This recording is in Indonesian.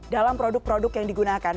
dalam produk produk yang digunakan